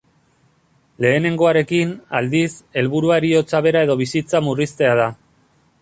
Lehenengoarekin, aldiz, helburua heriotza bera edo bizitza murriztea da.